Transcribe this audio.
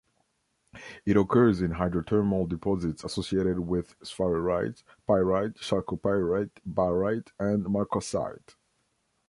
It occurs in hydrothermal deposits associated with sphalerite, pyrite, chalcopyrite, barite and marcasite.